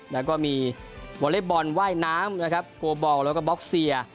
แล้วก็มีวอเลบอลว่ายน้ำโกบอลแล้วก็บ็อกเซีย